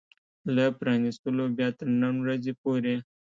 له پرانيستلو بيا تر نن ورځې پورې